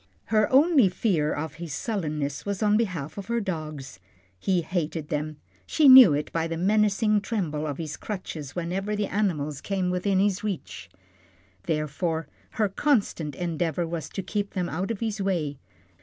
Her only fear of his sullenness was on behalf of her dogs. He hated them she knew it by the menacing tremble of his crutches whenever the animals came within his reach. Therefore, her constant endeavour was to keep them out of his way.